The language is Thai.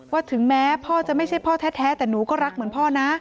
ถึงแม้พ่อจะไม่ใช่พ่อแท้แต่หนูก็รักเหมือนพ่อนะ